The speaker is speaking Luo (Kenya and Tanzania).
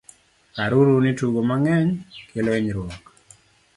par uru ni tugo mang'eny kelo hinyruok